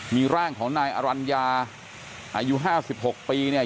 มีร่างของนายอรัญญาอายุห้าสิบหกปีเนี่ย